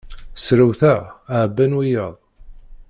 Srewteɣ, ɛebban wiyaḍ.